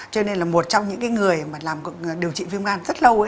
cho nên là một trong những cái người mà làm điều trị viêm gan rất lâu ấy